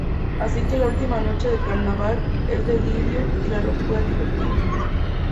Así que la última noche de carnaval es delirio y la locura divertida.